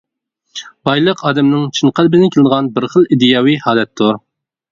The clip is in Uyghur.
بايلىق ئادەمنىڭ چىن قەلبىدىن كېلىدىغان بىر خىل ئىدىيەۋى ھالەتتۇر.